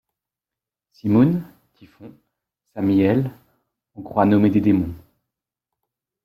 Simoun, Typhon, Samiel ; on croit nommer des démons.